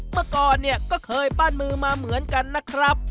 เมื่อก่อนเนี่ยก็เคยปั้นมือมาเหมือนกันนะครับ